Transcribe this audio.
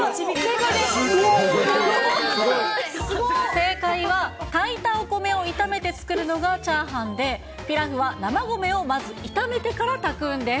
正解は、炊いたお米を炒めて作るのがチャーハンで、ピラフは生米をまず炒めてから炊くんです。